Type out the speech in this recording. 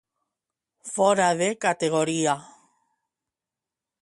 Fora de categoria.